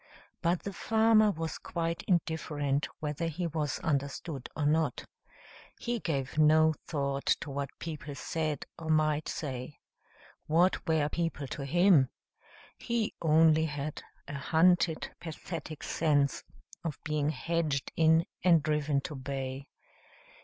But the farmer was quite indifferent whether he was understood or not. He gave no thought to what people said or might say. What were people to him? He only had a hunted, pathetic sense of being hedged in and driven to bay.